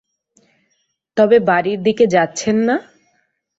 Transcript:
তবে বাড়ির দিকে যাচ্ছেন না।